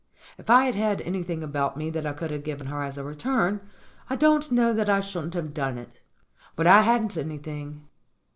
If I had had anything about me that I could have given her as a return, I don't know that I shouldn't have done it. But I hadn't any thing.